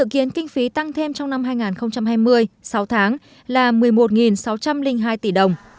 kiến kinh phí tăng thêm trong năm hai nghìn hai mươi sáu tháng là một mươi một sáu trăm linh hai tỷ đồng